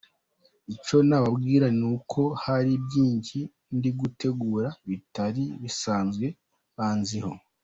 Icyo nababwira ni uko hari byinshi ndigutegura batari basanzwe banziho.